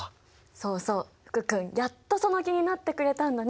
そうそう福君やっとその気になってくれたんだね。